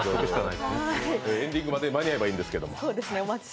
エンディングまでに間に合うといいんですけれども。